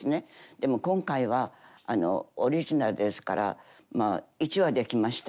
でも今回はあのオリジナルですからまあ１話出来ました。